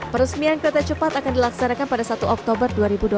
peresmian kereta cepat akan dilaksanakan pada satu oktober dua ribu dua puluh